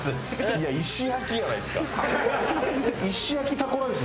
いや石焼きじゃないですか。